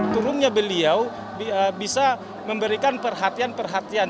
turunnya beliau bisa memberikan perhatian perhatian